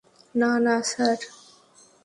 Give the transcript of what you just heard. না, না স্যার।